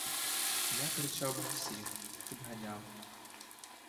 Я кричав на всіх, підганяв.